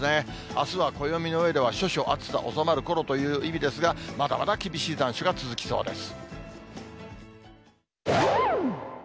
あすは暦の上では処暑、暑さ収まるころという意味ですが、まだまだ厳しい残暑が続きそうです。